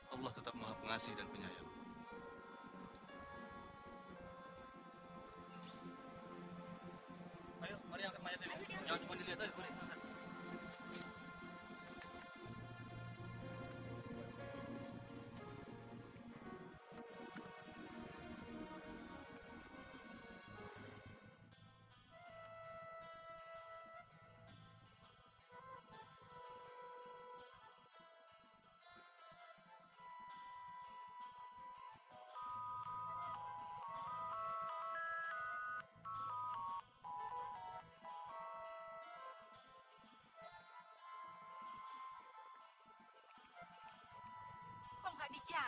allah tetap mengahap pengasih dan penyayang